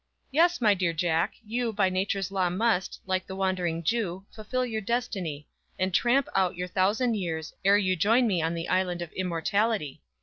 "Yes, my dear Jack, you, by nature's law must, like the Wandering Jew, fulfill your destiny, and 'tramp' out your thousand years ere you join me on the 'Island of Immortality.'